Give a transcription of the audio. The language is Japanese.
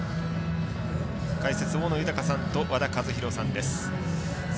解説、大野豊さんと和田一浩さんです。